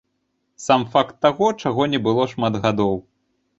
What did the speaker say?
Сам факт таго, чаго не было шмат гадоў.